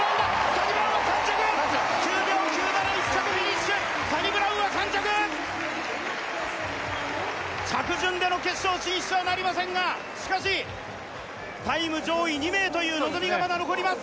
サニブラウンは３着９秒９７１着フィニッシュサニブラウンは３着着順での決勝進出はなりませんがしかしタイム上位２名という望みがまだ残ります